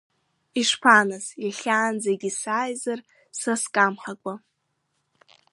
Ишԥа нас, иахьанӡагьы сааизар са скамҳакәа.